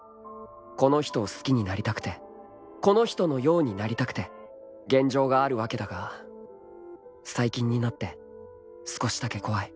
［この人を好きになりたくてこの人のようになりたくて現状があるわけだが最近になって少しだけ怖い］